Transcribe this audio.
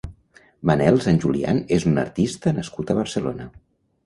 Manuel Sanjulián és un artista nascut a Barcelona.